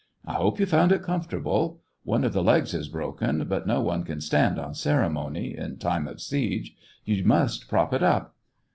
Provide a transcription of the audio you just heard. " I hope you found it comfortable ? One of the legs is broken ; but no one can stand on cere mony — in time of siege — you must prop it up."